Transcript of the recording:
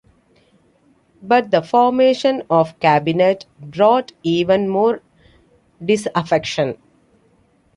But the formation of Cabinet brought even more disaffection.